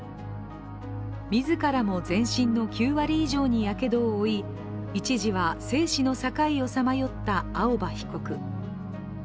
自らも全身の９割以上にやけどを負い一時は生死の境をさまよった青葉被告。